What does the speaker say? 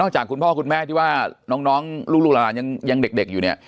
จากคุณพ่อคุณแม่ที่ว่าน้องลูกหลานยังเด็กอยู่เนี่ย